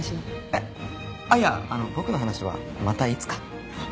えっいや僕の話はまたいつか。